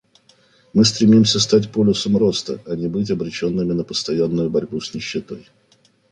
Мы стремимся стать полюсом роста, а не быть обреченными на постоянную борьбу с нищетой.